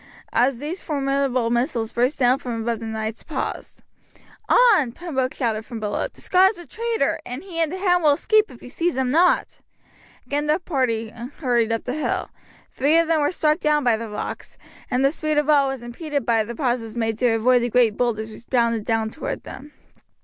As these formidable missiles burst down from above the knights paused. "On!" Pembroke shouted from below; "the Scot is a traitor, and he and the hound will escape if you seize him not." Again the party hurried up the hill. Three of them were struck down by the rocks, and the speed of all was impeded by the pauses made to avoid the great boulders which bounded down toward them.